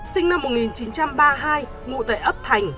sinh năm một nghìn chín trăm ba mươi hai ngụ tại ấp thành